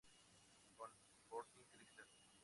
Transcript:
Con Sporting Cristal.